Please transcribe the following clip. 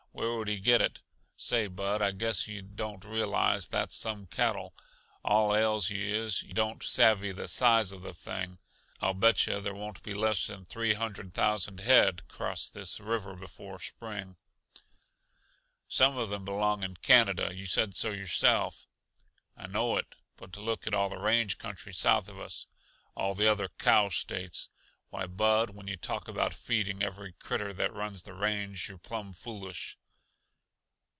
Where would he get it? Say, Bud, I guess yuh don't realize that's some cattle. All ails you is, yuh don't savvy the size uh the thing. I'll bet yuh there won't be less than three hundred thousand head cross this river before spring." "Some of them belong in Canada you said so yourself." "I know it, but look at all the country south of us: all the other cow States. Why, Bud, when yuh talk about feeding every critter that runs the range, you're plumb foolish."